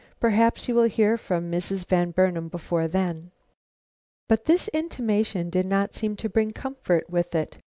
"Perhaps you will hear from Mrs. Van Burnam before then." But this intimation did not seem to bring comfort with it.